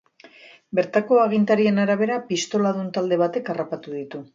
Bertako agintarien arabera, pistoladun talde batek harrapatu ditu.